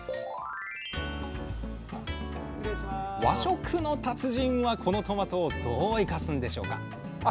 和食の達人はこのトマトをどう生かすんでしょうか？